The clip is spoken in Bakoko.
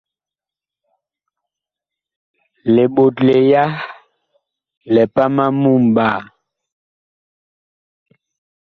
Liɓotle ya lipam a mumɓaa.